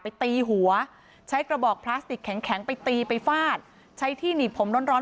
ไปตีหัวใช้กระบอกพลาสติกแข็งไปตีไปฟาดใช้ที่หนีดผมร้อน